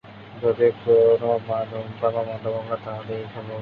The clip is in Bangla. যদি কোন মা ধূমপান বা মদ্যপান করে, তাহলে এর সম্ভবনা বাড়ে।